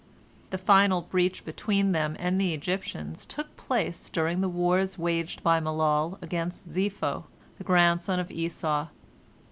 The final breach between them and the Egyptians took place during the wars waged by Malol against Zepho, the grandson of Esau.